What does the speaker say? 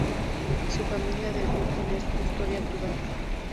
Su familia debió poner custodia privada.